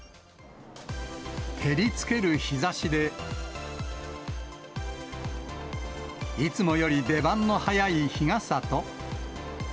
照りつける日ざしで、いつもより出番の早い日傘と。